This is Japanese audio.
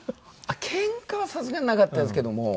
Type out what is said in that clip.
ケンカはさすがになかったですけども。